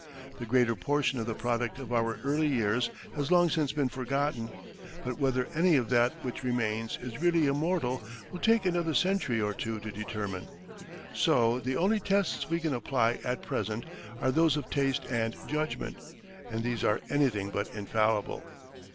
The greater portion of the product of our early years has long since been forgotten; but whether any of that which remains is really immortal will take another century or two to determine. So the only tests we can apply at present are those of taste and judgment, and these are anything but infallible.